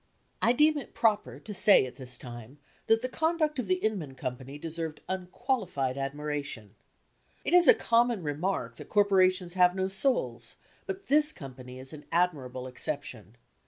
I deem it proper to say at this time SKETCHES OF TRAVEL that the conduct of the Inman Company deserved unqualified admiration. It is a common remark that corporations have no souls, but this company is an admirable exception.